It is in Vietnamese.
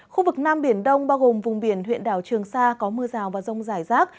khu vực nam biển đông bao gồm vùng biển huyện đảo trường sa có mưa rào và rông rải rác